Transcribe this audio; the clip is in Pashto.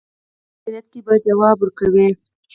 په آخرت کې به ځواب ورکوي.